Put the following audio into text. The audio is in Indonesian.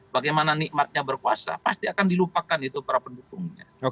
bagaimana nikmatnya berkuasa pasti akan dilupakan itu para pendukungnya